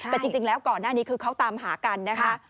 แต่จริงแล้วก่อนหน้านี้คือเขาตามหากันนะคะ